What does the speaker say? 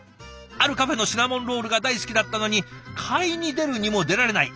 あるカフェのシナモンロールが大好きだったのに買いに出るにも出られない